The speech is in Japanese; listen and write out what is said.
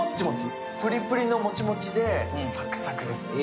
ぷりぷりのもちもちで、サクサクです。